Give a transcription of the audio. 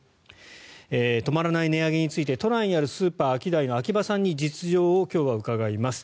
止まらない値上げについて都内にあるスーパー、アキダイの秋葉さんに実情を今日は伺います。